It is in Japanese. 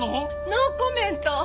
ノーコメント。